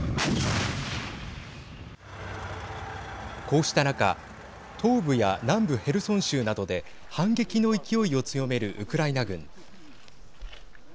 こうした中東部や南部ヘルソン州などで反撃の勢いを強めるウクライナ軍。